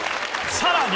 さらに！